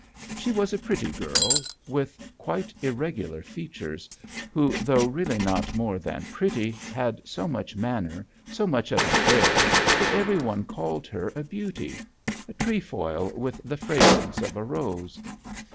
She was a pretty girl with quitw irregular features, who though really not more than pretty, had so much manner, so much of an air, that every one called her a beauty: a trefoil with the fra grance of a rose.